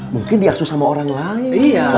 mungkin diasuh sama orang lain